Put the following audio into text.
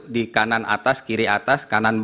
di kanan atas kiri atas kanan